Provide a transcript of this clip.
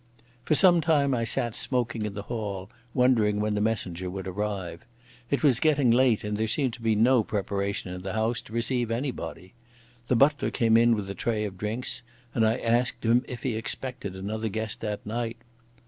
For some time I sat smoking in the hall wondering when the messenger would arrive. It was getting late and there seemed to be no preparation in the house to receive anybody. The butler came in with a tray of drinks and I asked him if he expected another guest that night.